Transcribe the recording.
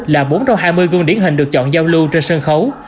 là bốn trong hai mươi gương điển hình được chọn giao lưu trên sân khấu